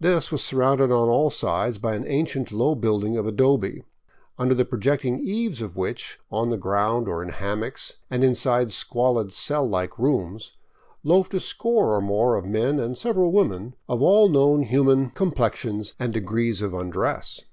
This was surrounded on all sides by an ancient low building of adobe, under the projecting eaves of which, on the ground or in hammocks, and inside squalid cell like rooms, loafed a score or more of men and several women of all known human 553 VAGABONDING DOWN THE ANDES complexions and degrees of undress.